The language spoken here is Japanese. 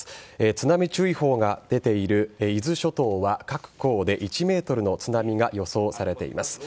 津波注意報が出ている伊豆諸島は各港で１ｍの津波が予想されています。